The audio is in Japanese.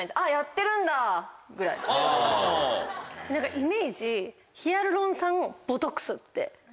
イメージヒアルロン酸ボトックスって。